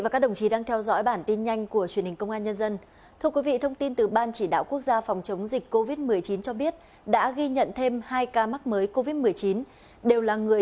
cảm ơn các bạn đã theo dõi